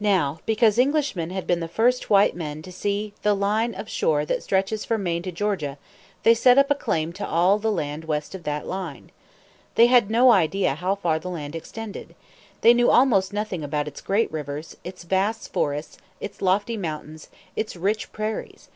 Now, because Englishmen had been the first white men to see the line of shore that stretches from Maine to Georgia, they set up a claim to all the land west of that line. They had no idea how far the land extended. They knew almost nothing about its great rivers, its vasts forests, its lofty mountains, its rich prairies.